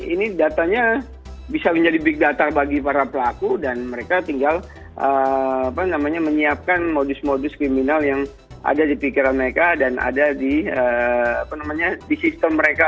ini datanya bisa menjadi big data bagi para pelaku dan mereka tinggal menyiapkan modus modus kriminal yang ada di pikiran mereka dan ada di sistem mereka